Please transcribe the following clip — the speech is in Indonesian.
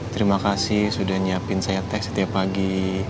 terima kasih sudah nyiapin saya teks setiap pagi